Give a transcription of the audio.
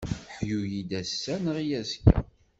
Ḥyu-yi-d ass-a, nneɣ-iyi azekka.